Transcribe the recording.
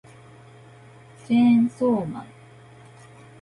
チェーンソーマン